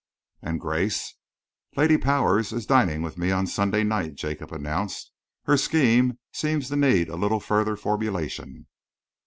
"And Grace?" "Lady Powers is dining with me on Sunday night," Jacob announced. "Her schemes seem to need a little further formulation."